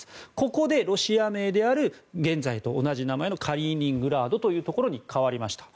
ここでロシア名である現在と同じ名前のカリーニングラードというところに変わりました。